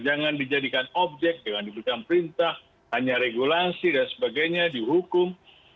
jangan dijadikan objek jangan diberikan perintah hanya regulasi dan sebagainya dihukum